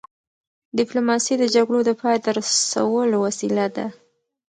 ډيپلوماسي د جګړو د پای ته رسولو وسیله ده.